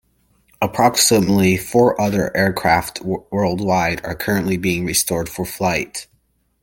Approximately four other aircraft worldwide are currently being restored for flight.